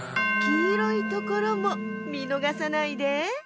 きいろいところもみのがさないで。